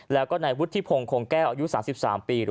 แล้วก็ไหนรุธิโพงแก้ลอายุ๓๓ปี